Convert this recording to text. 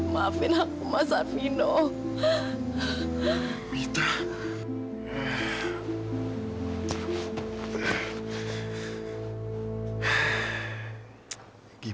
sampai jumpa lagi